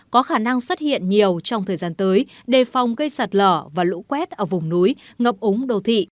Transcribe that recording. có khả năng xuất hiện nhiều trong thời gian tới đề phòng gây sạt lở và lũ quét ở vùng núi ngập úng đồ thị